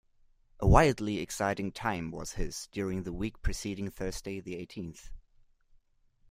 A wildly exciting time was his during the week preceding Thursday the eighteenth.